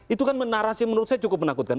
itu kan menarasi menurut saya cukup menakutkan